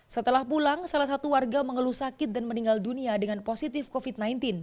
setelah pulang salah satu warga mengeluh sakit dan meninggal dunia dengan positif covid sembilan belas